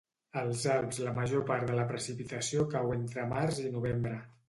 Als Alps la major part de la precipitació cau entre març i novembre.